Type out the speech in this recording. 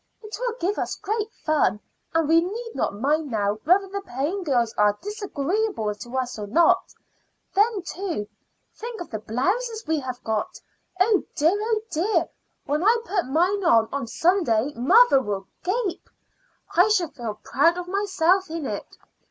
"It will give us great fun, and we need not mind now whether the paying girls are disagreeable to us or not. Then, too, think of the blouses we have got. Oh dear! oh dear! when I put mine on on Sunday mother will gape. I shall feel proud of myself in it.